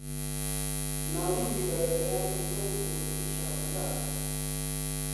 ناڵینی بەربەیانی کەو و کۆتری شاخ و داخ